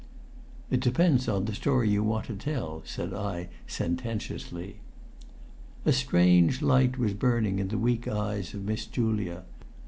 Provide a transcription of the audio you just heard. "It depends on the story you want to tell," said I, sententiously. A strange light was burning in the weak eyes of Miss Julia.